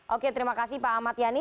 oke terima kasih pak ahmad yani